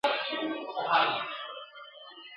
چي څوک سپور ویني پر آس دی یې غلام وي ..